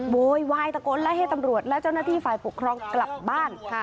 โวยวายตะโกนไล่ให้ตำรวจและเจ้าหน้าที่ฝ่ายปกครองกลับบ้าน